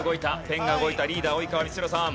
ペンが動いたリーダー及川光博さん。